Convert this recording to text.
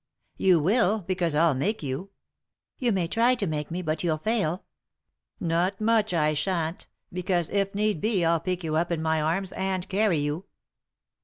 "You will, because I'll make you." "You may try to make me, but you'll fail" ■*' Not much I shan't ; because, if need be, I'll pick you up in my arms and cany you."